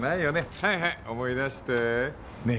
はいはい思い出してねえ